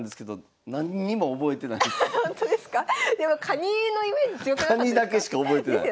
カニだけしか覚えてない。